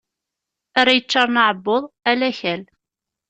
Ara yeččaṛen aɛebbuḍ, ala akal.